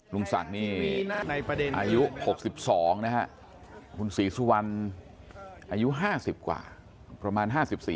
ลุงศักดิ์นี่อายุ๖๒นะฮะคุณศรีสุวรรณอายุ๕๐กว่าประมาณ๕๔